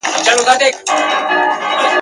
مانا يوي به يې ووهلې